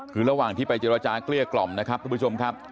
คือระหว่างที่ไปเจรจาเกลี้ยกล่อมนะครับทุกผู้ชมครับ